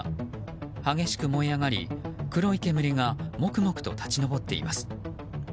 激しく燃え上がり、黒い煙がもくもくと立ち上っています。